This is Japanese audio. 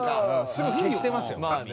すぐ消してますよ。